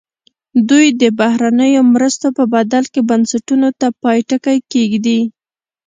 دوی د بهرنیو مرستو په بدل کې بنسټونو ته پای ټکی کېږدي.